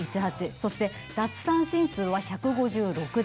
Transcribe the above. そして奪三振数は１５６でした。